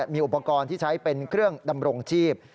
มีอุปกรณ์ที่ใช้เป็นเครื่องดำรงชีพ